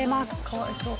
かわいそう。